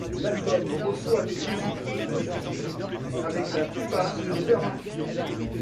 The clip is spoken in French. L'album reçoit des critiques très positives, avec la plupart des auteurs impliqués.